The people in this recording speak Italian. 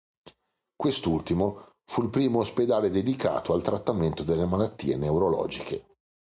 Quest'ultimo fu il primo ospedale dedicato al trattamento delle malattie neurologiche.